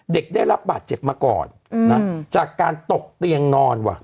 เด็กได้รับบาดเจ็บมาก่อนนะจากการตกเตียงนอนว่ะ